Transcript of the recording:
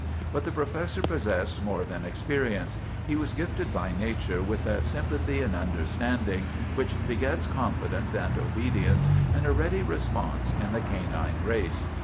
But the Professor possessed more than experience; he was gifted by nature with that sym pathy and understanding which begets confidence and obedience and a ready response in the canine race.